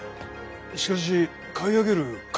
しかし買い上げる金は。